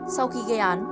sau khi gây án